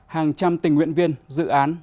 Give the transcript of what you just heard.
hàng trăm tình nguyện viên dự án